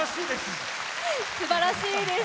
すばらしいです！